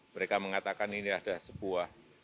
mereka mengatakan ini ada sebuah